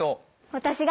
私が。